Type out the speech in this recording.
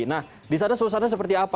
nah di sana suasana seperti apa